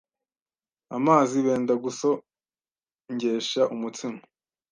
amazi benda gusongesha umutsima.